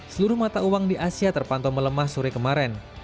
seluruh mata uang di asia terpantau melemah sore kemarin